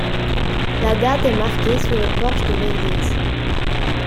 La Date est marquée sur le porche de l'église.